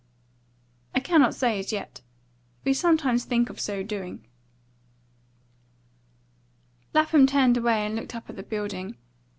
"I cannot say as yet. We sometimes think of so doing." Lapham turned away and looked up at the building.